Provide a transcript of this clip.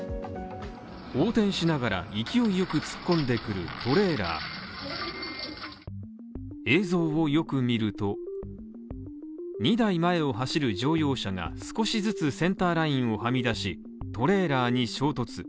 横転しながら、勢いよく突っ込んでくるトレーラー映像をよく見ると２台前を走る乗用車が、少しずつセンターラインをはみ出し、トレーラーに衝突。